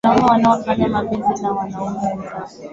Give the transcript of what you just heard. wanaume wanaofanya mapenzi na wanaume wenzao